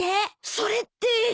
それって！